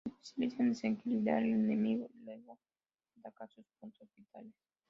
Se especializa en desequilibrar al enemigo y luego atacar sus puntos vitales.